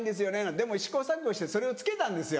でも試行錯誤してそれを付けたんですよ。